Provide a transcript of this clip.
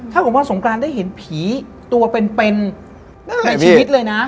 ถ้าผมว่าสงกรานได้เห็นผีตัวเป็นในชีวิตเลยนะ